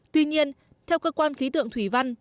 tuy nhiên theo cơ quan khí tượng thủy văn